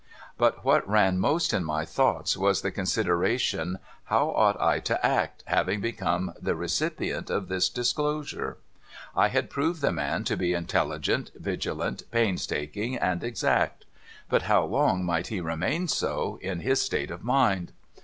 But what ran most in my thoughts was the consideration how ought I to act, having become the recipient of this disclosure ? I had proved the man to be intelligent, vigilant, painstaking, and exact ; but how long might he remain so, in his state of mind